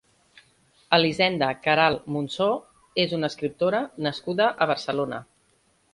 Elisenda Queralt Monsó és una escriptora nascuda a Barcelona.